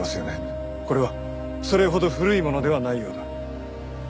これはそれほど古いものではないようだ。